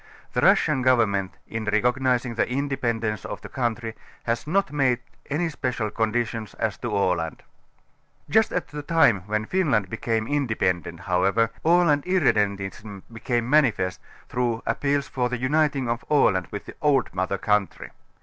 The Russian govern ment in recognizing the independence of the countrj', has not made any special conditions as to Aland. Just at the time when Finland became independent, how ever, Aland irredentism became manifest through appeals for the uniting of Aland with the old mother country.